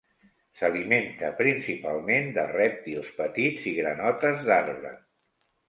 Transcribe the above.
S'alimenta principalment de rèptils petits i granotes d'arbre.